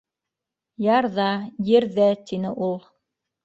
- Ярҙа, ерҙә, - тине ул.